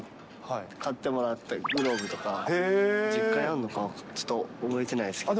お父さんから買ってもらったグローブとか、実家にあんのかちょっと覚えてないですけど。